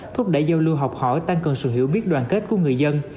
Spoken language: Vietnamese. thúc đẩy giao lưu học hỏi tăng cường sự hiểu biết đoàn kết của người dân